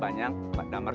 pak pak deman